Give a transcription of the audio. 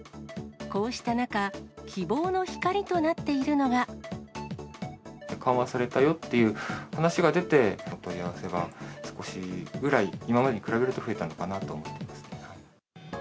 こうした中、緩和されたよっていう話が出て、お問い合わせが少しぐらい、今までに比べると増えたのかなと思っています。